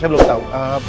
saya belum tahu